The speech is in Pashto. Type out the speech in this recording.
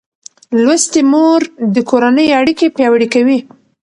لوستې مور د کورنۍ اړیکې پیاوړې کوي.